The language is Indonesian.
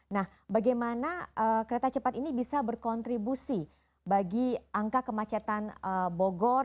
nah bagaimana kereta cepat ini bisa berkontribusi bagi angka kemacetan bogor